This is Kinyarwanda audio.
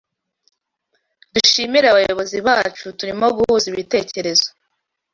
Dushimire abayobozi bacu turimo guhuza ibitekerezo